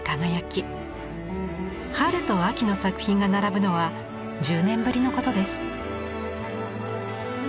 春と秋の作品が並ぶのは１０年ぶりのことです。